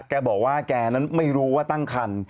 แกบอกว่าแกนั้นไม่รู้ว่าตั้งคัน